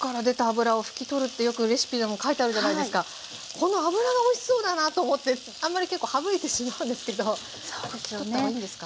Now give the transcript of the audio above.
この脂がおいしそうだなと思ってあんまり結構省いてしまうんですけど拭き取った方がいいんですか？